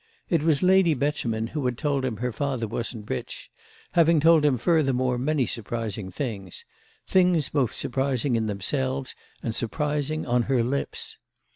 It was Lady Beauchemin who had told him her father wasn't rich; having told him furthermore many surprising things—things both surprising in themselves and surprising on her lips.